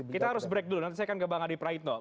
kita harus break dulu nanti saya akan ke bang adi praitno